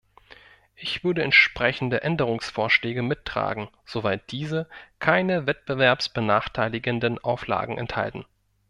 Ich würde entsprechende Änderungsvorschläge mittragen, soweit diese keine wettbewerbsbenachteiligenden Auflagen enthalten.